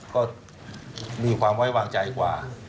ก็มีความไว้วางใจกว่า